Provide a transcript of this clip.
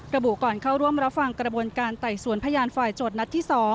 ระบุก่อนเข้าร่วมรับฟังการไต่ส่วนพยานฝ่ายจดนัดที่๒